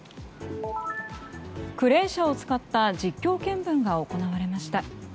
クレーン車を使った実況見分が行われました。